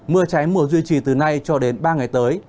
mưa trái mùa duy trì từ nay cho đến ba ngày tới